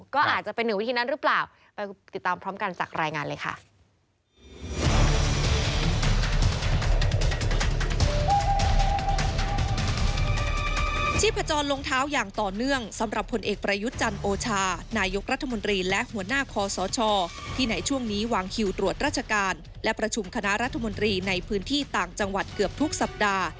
ก็อาจจะเป็นหนึ่งวิธีนั้นหรือเปล่า